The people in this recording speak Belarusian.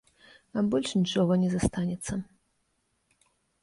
А больш нічога не застанецца.